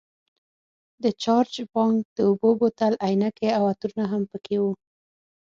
د چارج بانک، د اوبو بوتل، عینکې او عطرونه هم پکې وو.